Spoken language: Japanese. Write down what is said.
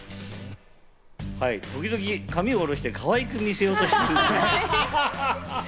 時々、髪を下ろして、かわいく見せようとしてる。